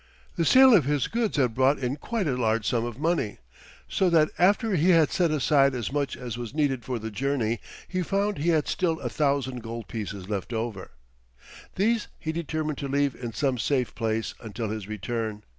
The sale of his goods had brought in quite a large sum of money, so that after he had set aside as much as was needed for the journey he found he had still a thousand gold pieces left over. These he determined to leave in some safe place until his return.